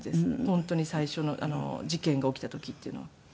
本当に最初の事件が起きた時っていうのは。